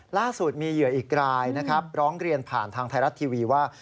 ล่าสุดมีเหยื่ออีกรายนะครับร้องเรียนผ่านทางไทยรัฐทีวีว่า